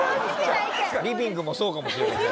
リビングもそうかもしれませんよ